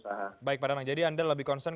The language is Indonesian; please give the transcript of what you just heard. usaha baik pak renang jadi anda lebih concern